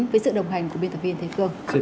với sự đồng hành của biên tập viên thế cương